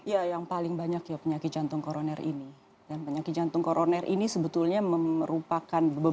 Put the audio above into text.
ya yang paling banyak ya penyakit jantung koroner ini dan penyakit jantung koroner ini sebetulnya merupakan